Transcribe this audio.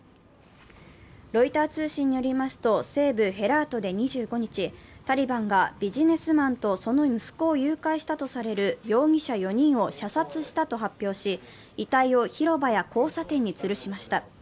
ロイター通信によりますと、西部ヘラートで２５日、タリバンがビジネスマンとその息子を誘拐したとされる容疑者４人を射殺したと発表し、遺体を広場や交差点につるしました。